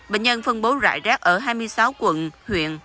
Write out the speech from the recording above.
bệnh nhân phân bố rải rác ở hai mươi sáu quận huyện